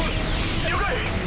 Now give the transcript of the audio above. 了解。